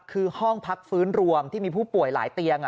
คือห้องพักฟื้นรวมที่มีผู้ป่วยหลายเตียง